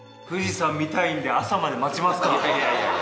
いやいやいやいや。